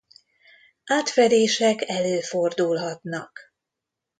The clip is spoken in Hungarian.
Átfedések előfordulhatnak.